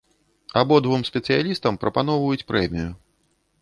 Абодвум спецыялістам прапаноўваюць прэмію.